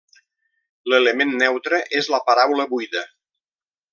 L'element neutre és la paraula buida.